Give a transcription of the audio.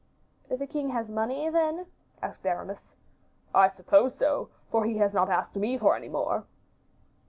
"The king has money, then?" asked Aramis. "I suppose so, for he has not asked me for any more."